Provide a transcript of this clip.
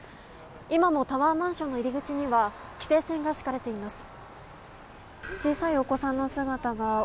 今もタワーマンションの入り口には規制線が敷かれています。